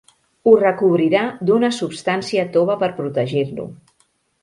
Ho recobrirà d'una substància tova per protegir-lo.